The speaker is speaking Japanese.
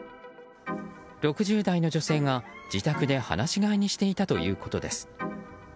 ６０代の女性が自宅で放し飼いにしていたということです。